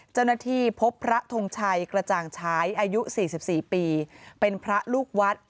เจ้าหน้าที่พบพระทงชัยกระจ่างฉายอายุ๔๔ปีเป็นพระลูกวัด